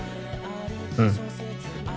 うん。